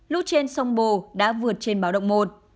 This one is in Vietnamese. lũ trên sông bồ đã vượt trên báo động một